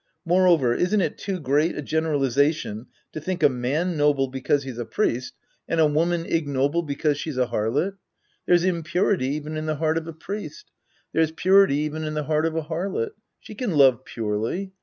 Moreover, isn't it too great a gene ralization to tliinic a man noble because he's a priest Sc. I The Priest and His Disciples les and a woman ignoble because she's a harlot ? There's impurity even in the heart of a priest. There's purity even in the heart of a harlot. She can love purely.